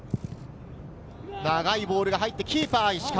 長いボールが入って、キーパー・石川。